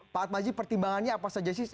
pak atmaji pertimbangannya apa saja sih